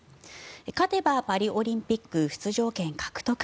勝てばパリオリンピック出場権獲得。